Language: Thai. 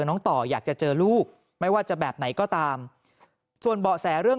น้องต่ออยากจะเจอลูกไม่ว่าจะแบบไหนก็ตามส่วนเบาะแสเรื่อง